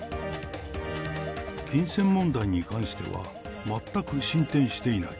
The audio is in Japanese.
金銭問題に関しては全く進展していない。